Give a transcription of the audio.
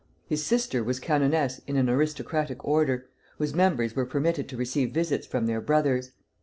His sister was canoness in an aristocratic order, whose members were permitted to receive visits from their brothers.